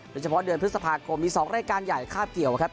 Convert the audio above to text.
โดยเฉพาะเดือนพฤษภาคมมี๒รายการใหญ่คาบเกี่ยวครับ